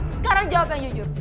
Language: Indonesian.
sekarang jawab yang jujur